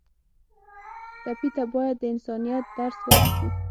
ټپي ته باید د انسانیت درس ورکړو.